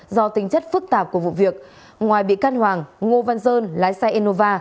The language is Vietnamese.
do tính chất phức tạp của vụ việc ngoài bị căn hoàng ngô văn sơn lái xe innova